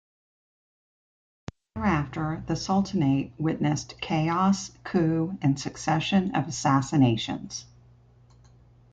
Thereafter, the sultanate witnessed chaos, coup and succession of assassinations.